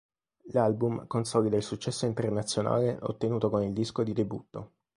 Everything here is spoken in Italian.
L'album consolida il successo internazionale ottenuto con il disco di debutto.